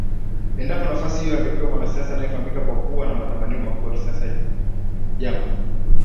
Endapo nafasi hiyo angepewa mwanasiasa anayefahamika kwa kuwa na matamanio makubwa ya kisiasa jambo